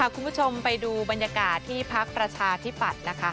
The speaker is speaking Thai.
คุณผู้ชมไปดูบรรยากาศที่พักประชาธิปัตย์นะคะ